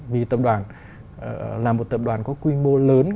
vì tập đoàn là một tập đoàn có quy mô lớn